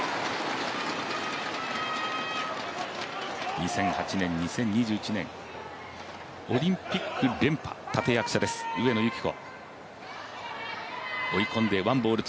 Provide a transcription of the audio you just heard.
２００８年、２０２１年オリンピック連覇立役者です、上野由岐子。